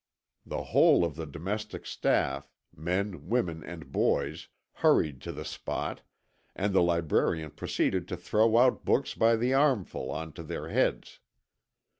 The whole of the domestic staff men, women, and boys hurried to the spot, and the librarian proceeded to throw out books by the armful on to their heads.